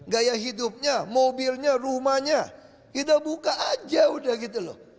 gaya hidupnya mobilnya rumahnya kita buka aja udah gitu loh